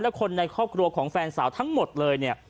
และคนในครอบครัวของแฟนสาวทั้งหมดเลยเนี่ย